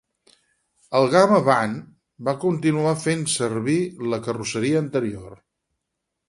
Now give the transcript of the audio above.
El gama Van va continuar fent servir la carrosseria anterior.